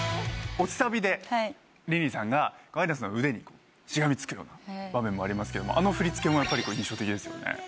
落ちサビでリンリンさんがアイナさんの腕にしがみつくような場面もありますけどもあの振り付けも印象的ですよね。